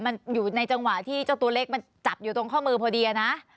มันอยู่ในจังหวะที่เจ้าตัวเล็กมันจับอยู่ตรงข้อมือพอดีอะนะ